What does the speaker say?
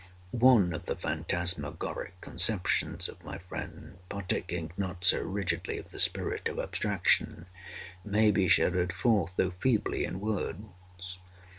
One of the phantasmagoric conceptions of my friend, partaking not so rigidly of the spirit of abstraction, may be shadowed forth, although feebly, in words.